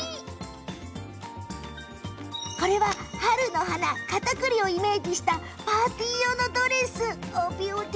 春の花、カタクリをイメージしたパーティー用のドレス。